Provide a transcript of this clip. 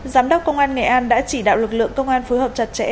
giám đốc công an nghệ an đã chỉ đạo lực lượng công an phối hợp chặt chẽ